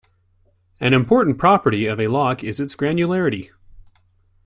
An important property of a lock is its "granularity".